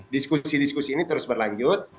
diskusi diskusi ini terus berlanjut